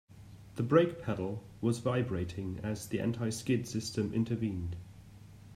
The brake pedal was vibrating as the anti-skid system intervened.